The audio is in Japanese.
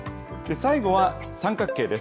最後は三角形です。